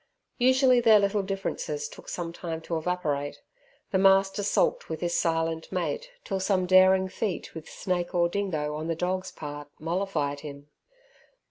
Usually their little differences took some time to evaporate; the master sulked with his silent mate till some daring feat with snake or dingo on the dog's part mollified him.